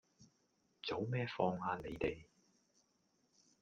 早咩放呀你哋